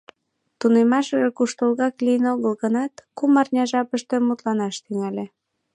Тунемашыже куштылгак лийын огыл гынат, кум арня жапыште мутланаш тӱҥале.